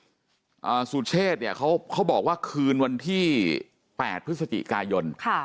เหมือนบอกว่าสูตรเชษเนี่ยเขาบอกว่าคืนวันที่๘พฤศจิกายน